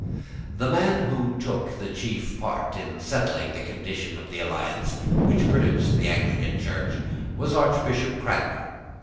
The man who took the chief part in settling the condition, of the alliance which produced the Anglican Church was Archbishop Cranmer.